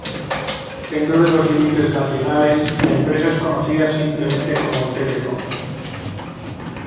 Dentro de los límites nacionales, la empresa es conocida simplemente como Telecom.